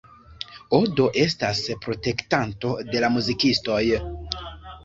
Odo estas protektanto de la muzikistoj.